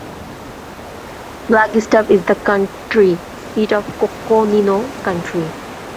Flagstaff is the county seat of Coconino County.